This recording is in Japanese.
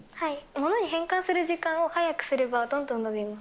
物に変換する時間を速くすれば、どんどん伸びます。